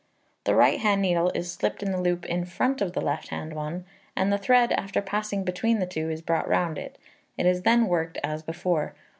The right hand needle is slipped in the loop in front of the left hand one, and the thread, after passing between the two, is brought round it; it is then worked as before.